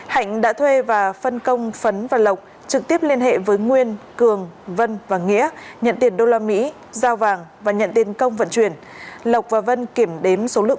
hạnh đã thuê và phân công phấn và lộc trực tiếp liên hệ với nguyên cường vân và nghĩa nhận tiền đô la mỹ giao vàng và nhận tiền đô la mỹ